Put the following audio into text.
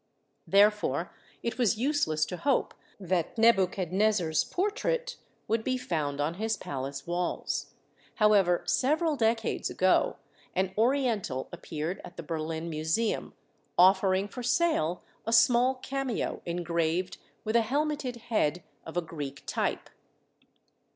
Therefore it was useless to hope that Nebuchadnezzar's portrait would be found on his palace walls. How ever, several decades ago, an Oriental appeared at the Berlin Museum, offering for sale a small cameo engraved with a helmeted head of a Greek type.